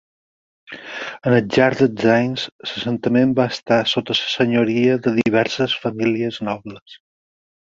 Al llarg dels anys, l'assentament va estar sota la senyoria de diverses famílies nobles.